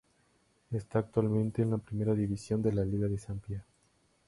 Está actualmente en la primera división de la liga de Zambia.